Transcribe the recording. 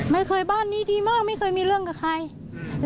ไม่เคยบ้านนี้ดีมากไม่เคยมีเรื่องกับใคร